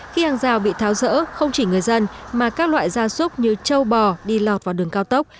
khi hàng rào bị tháo rỡ không chỉ người dân mà các loại gia súc như châu bò đi lọt vào đường cao tốc